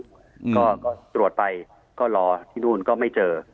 อืมก็ตรวจไปก็รอที่นู่นก็ไม่เจอ